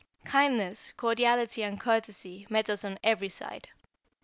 Kindness, cordiality and courtesy met us on every side.